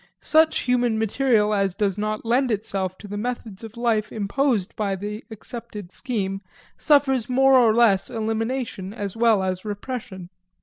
Such human material as does not lend itself to the methods of life imposed by the accepted scheme suffers more or less elimination as well as repression.